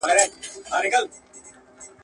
نه مي څوک لمبې ته ګوري، نه په اوښکو مي خبر سول.